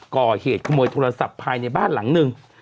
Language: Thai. ก่อเหตุขโมยโทรศัพท์ภายในบ้านหลังหนึ่ง